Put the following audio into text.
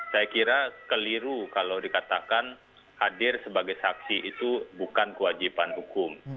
saya kira keliru kalau dikatakan hadir sebagai saksi itu bukan kewajiban hukum